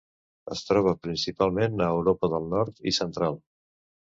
Es troba principalment a Europa del Nord i Central.